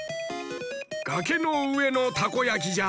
がけのうえのたこやきじゃ。